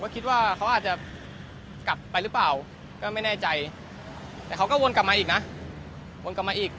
เค้ากระวนกลับมาก่อนอีกอีก